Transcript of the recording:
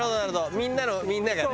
みんなのみんながね」